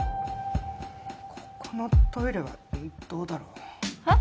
ここのトイレはどうだろう？えっ？